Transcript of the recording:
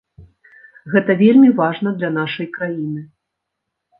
Гэта вельмі важна для нашай краіны.